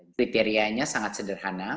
kriterianya sangat sederhana